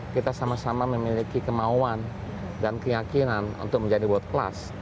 kita sama sama memiliki kemauan dan keyakinan untuk menjadi world class